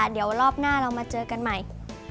เดี๋ยวรอบหน้าเรามาเจอกันใหม่